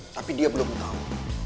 tapi dia belum tau